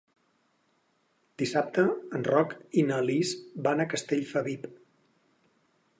Dissabte en Roc i na Lis van a Castellfabib.